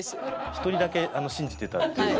１人だけ信じてたっていう。